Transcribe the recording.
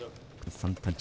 ３対１。